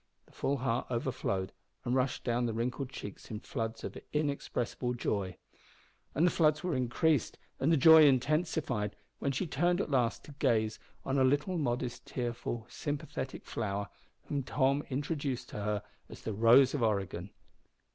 the full heart overflowed and rushed down the wrinkled cheeks in floods of inexpressible joy. And the floods were increased, and the joy intensified, when she turned at last to gaze on a little modest, tearful, sympathetic flower, whom Tom introduced to her as the Rose of Oregon!